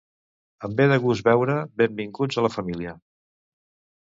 Em ve de gust veure "Benvinguts a la família".